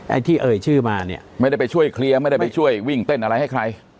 ไอ้ที่เอ่ยชื่อมาเนี่ยไม่ได้ไปช่วยเคลียร์ไม่ได้ไปช่วยวิ่งเต้นอะไรให้ใคร